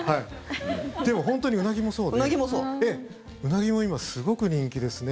でも、本当にウナギもそうでウナギも今すごく人気ですね。